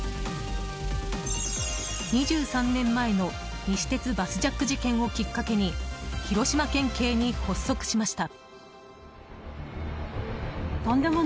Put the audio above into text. ２３年前の西鉄バスジャック事件をきっかけに広島県警に発足しました。